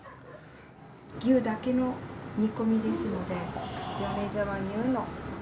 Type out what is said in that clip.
牛だけの煮込みですので米沢牛の。